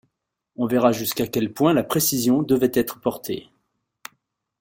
On verra jusqu’à quel point la précision devait être portée.